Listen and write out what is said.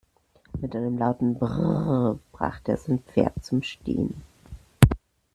Mit einem lauten "Brrr!" brachte er sein Pferd zum Stehen.